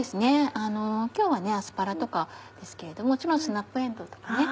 今日はアスパラとかですけれどももちろんスナップエンドウとかね